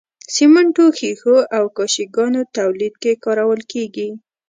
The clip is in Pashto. سمنټو، ښيښو او کاشي ګانو تولید کې کارول کیږي.